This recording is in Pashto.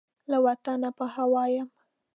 له وطنه په هوا یم